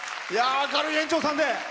明るい園長さんで。